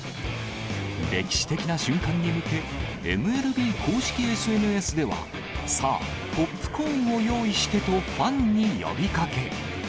歴史的な瞬間に向け、ＭＬＢ公式ＳＮＳでは、さぁポップコーンを用意して！とファンに呼びかけ。